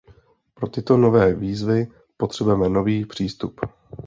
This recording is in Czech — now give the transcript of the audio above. Pro tyto nové výzvy potřebujeme nový přístup.